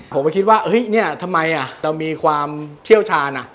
ผมคิดว่าทำไมอ่ะเรามีความเชี่ยวชาญอ่ะ